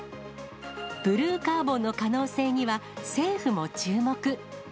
ブルーカーボンの可能性には、政府も注目。